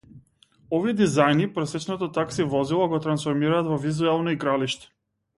Овие дизајни, просечното такси возило го трансформираат во визуелно игралиште.